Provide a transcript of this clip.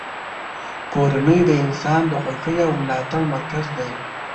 کورنۍ د انسان د خوښۍ او ملاتړ مرکز دی.